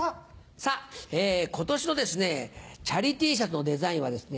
さぁ今年のチャリＴシャツのデザインはですね